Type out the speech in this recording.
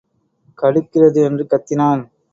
கடுக்கிறது என்று கத்தினான்.